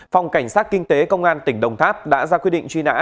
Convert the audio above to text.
phòng cảnh sát kinh tế công an tỉnh đồng tháp đã ra quyết định truy nã